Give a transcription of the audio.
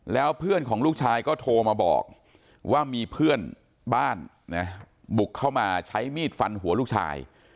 แล้วเพื่อนของลูกชายก็โทรมาบอกว่ามีเพื่อนบ้านนะบุกเข้ามาใช้มีดฟันหัวลูกชาย